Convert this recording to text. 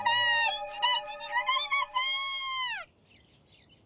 一大事にございます！